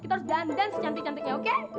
kita harus dandan secantik cantiknya oke